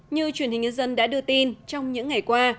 như truyền hình nhân dân đã đưa tin trong những ngày qua